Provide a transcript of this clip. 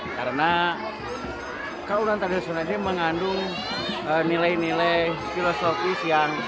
karena kaulinan tradisional ini mengandung nilai nilai filosofis yang